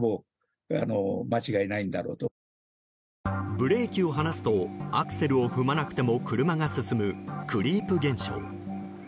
ブレーキを離すとアクセルを踏まなくても車が進むクリープ現象。